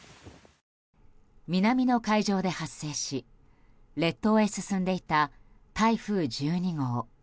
南の海上で発生し列島へ進んでいた台風１２号。